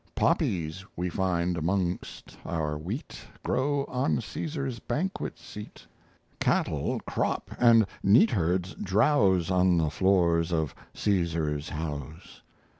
Poppies we find amongst our wheat Grow on Caesar's banquet seat. Cattle crop and neatherds drowse On the floors of Caesar's house."